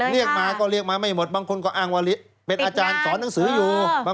เรียกมาก็เรียกมาไม่หมดบางคนก็อ้างว่าเป็นอาจารย์สอนหนังสืออยู่